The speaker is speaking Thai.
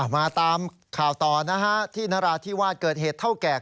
มาตามข่าวตอนที่นราธิวาดเกิดเหตุเกตเท่าแกก